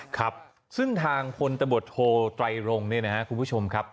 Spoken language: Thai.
ครับซึ่งทางพลตำรวจโทไตรรงค์เนี่ยนะครับคุณผู้ชมครับ